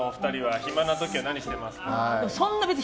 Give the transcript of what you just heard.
暇な時は何してますか？